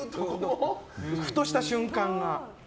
ふとした瞬間が。